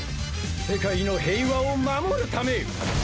世界の平和を守るため。